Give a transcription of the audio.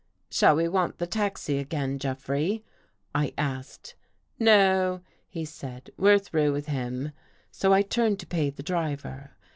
" Shall we want the taxi again, Jeffrey? " I asked. " No," he said. " We're through with him." So I turned to pay the driver.